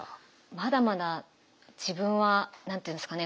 まだまだ自分は何て言うんですかね